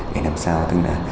để làm sao